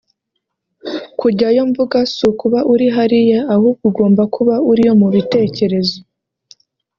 kujyayo mvuga si ukuba uri hariya ahubwo ugomba kuba uriyo no mu bitekerezo